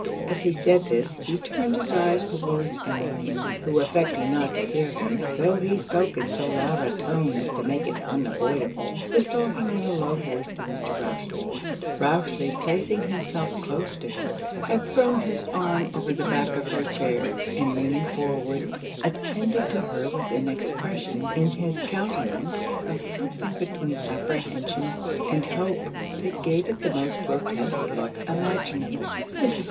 As he said this, he turned his eyes towards Emmeline; who affecting not to hear him, tho' he spoke in so loud a tone as to make it unavoidable, was talking in a low voice to Mr. Rochely. Rochely placing himself close to her, had thrown his arm over the back of her chair; and leaning forward, attended to her with an expression in his countenance of something between apprehension and hope, that gave it the most grotesque look imaginable. Mrs.